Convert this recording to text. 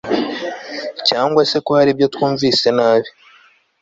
cyangwa se ko hari ibyo twumvise nabi